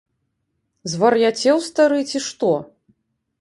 Звар'яцеў, стары, ці што?